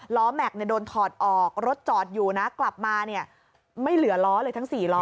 แม็กซ์โดนถอดออกรถจอดอยู่นะกลับมาเนี่ยไม่เหลือล้อเลยทั้ง๔ล้อ